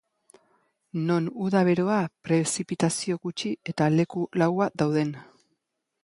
Non uda beroa, prezipitazio gutxi, eta leku laua dauden.